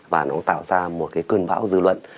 và nó tạo ra một cái cơn bão dư luận